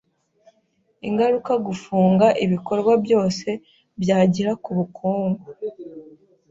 ingaruka gufunga ibikorwa byose byagira ku bukungu